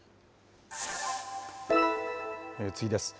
次です。